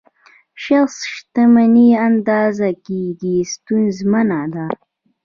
شخص شتمني اندازه ګیري ستونزمنه ده.